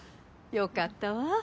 良かったわ。